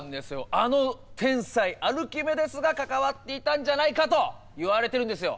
あの天才アルキメデスが関わっていたんじゃないかといわれてるんですよ。